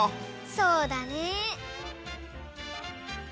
そうだね。